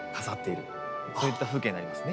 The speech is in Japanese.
そういった風景になりますね。